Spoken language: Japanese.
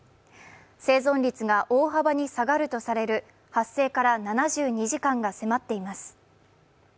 生存率が大幅に下がるとされる発生から７２時間が迫っています。